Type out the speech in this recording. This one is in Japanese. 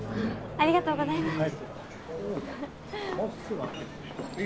ありがとうございます。